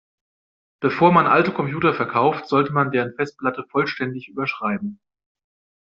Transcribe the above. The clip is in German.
Bevor man alte Computer verkauft, sollte man deren Festplatten vollständig überschreiben.